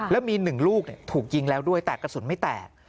แล้วมี๑ลูกถูกยิงแล้วด้วยแต่กระสุนไม่แตก